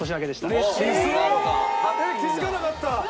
えっ気付かなかった！